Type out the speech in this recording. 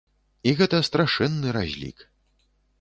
І гэта страшэнны разлік.